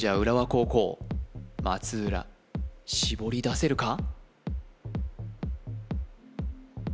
高校松浦絞りだせるか？